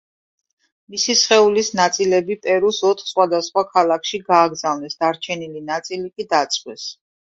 მისი სხეულის ნაწილები პერუს ოთხ სხვადასხვა ქალაქში გააგზავნეს, დარჩენილი ნაწილი კი დაწვეს.